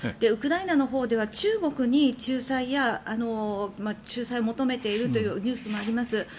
ウクライナのほうでは中国に仲裁を求めているというニュースもあります。